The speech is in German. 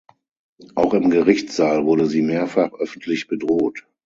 Auch im Gerichtssaal wurde sie mehrfach öffentlich bedroht.